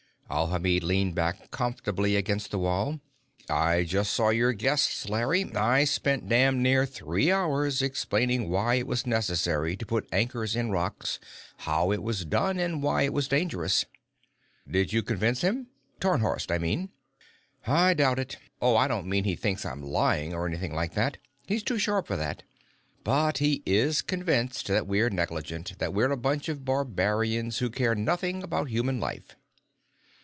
Alhamid leaned back comfortably against the wall. "I just saw your guests, Larry. I spent damn near three hours explaining why it was necessary to put anchors in rocks, how it was done, and why it was dangerous." "Did you convince him? Tarnhorst, I mean." "I doubt it. Oh, I don't mean he thinks I'm lying or anything like that. He's too sharp for that. But he is convinced that we're negligent, that we're a bunch of barbarians who care nothing about human life."